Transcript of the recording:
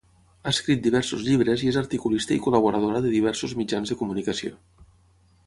Ha escrit diversos llibres i és articulista i col·laboradora de diversos mitjans de comunicació.